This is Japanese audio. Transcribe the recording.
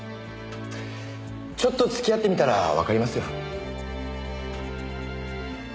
ちょっと付き合ってみたらわかりますよ。